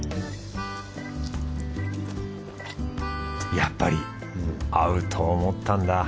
やっぱり合うと思ったんだ。